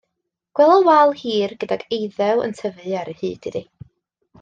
Gwelodd wal hir, gydag eiddew yn tyfu ar hyd-ddi.